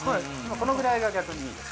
このくらいが逆にいいです。